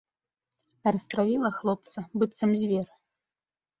Растравіла хлопца, быццам звер.